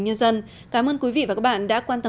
chữ đền đạo handful định năm